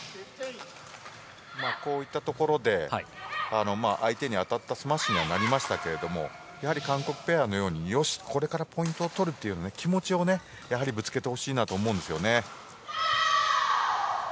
こういったところで相手に当たったスマッシュにはなりましたが韓国ペアのようによし、これからポイントを取るという気持ちをぶつけてほしいなと思います。